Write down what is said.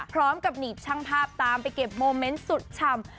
พร้อมกับหนีบช่างภาพตามไปเก็บโมเมนต์สุดชำ